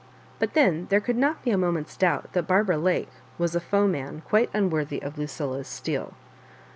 But then there could not be a moment's doubt that Barbara Lake was a foeman quite unworthy of Lucilla*s steel.